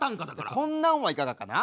じゃこんなんはいかがかな？